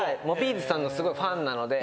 ’ｚさんのすごいファンなので。